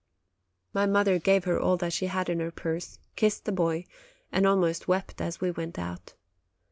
My mother gave her all that she had in her purse, kissed the boy, and almost wept as we went out.